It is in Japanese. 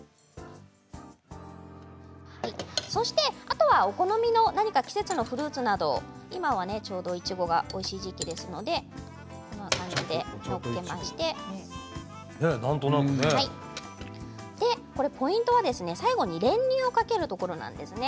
あとはお好みの何か季節のフルーツなど今はちょうどいちごがおいしい時期ですので載っけましてポイントは最後に練乳をかけるところなんです。。